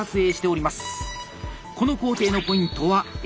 この工程のポイントは「襟」。